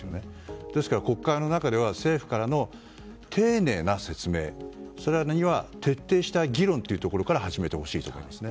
ですから国会の中では政府からの丁寧な説明徹底した議論というところから始めてほしいと思いますね。